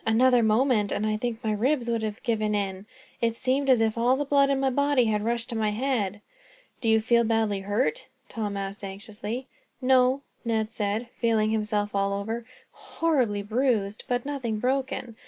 "Another moment, and I think my ribs would have given in. It seemed as if all the blood in my body had rushed to my head." "Do you feel badly hurt?" Tom asked, anxiously. "No," Ned said, feeling himself all over. "Horribly bruised, but nothing broken.